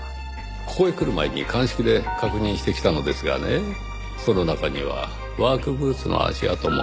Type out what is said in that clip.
ここへ来る前に鑑識で確認してきたのですがねその中にはワークブーツの足跡も。